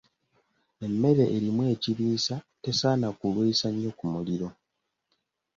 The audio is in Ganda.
Emmere erimu ekiriisa tesaana kulwisa nnyo ku muliro.